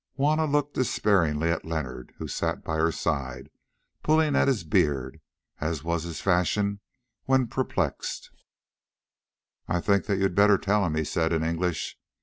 Juanna looked despairingly at Leonard, who sat by her side pulling at his beard, as was his fashion when perplexed. "I think that you had better tell him," he said in English.